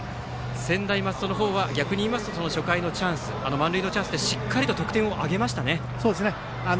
専大松戸の方は逆に言いますと初回の満塁のチャンスでしっかり得点を挙げましたね。